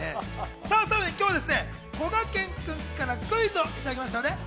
さらに今日、こがけん君からクイズをいただきました。